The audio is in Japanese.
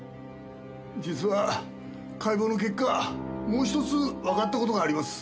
実は解剖の結果もう一つわかった事があります。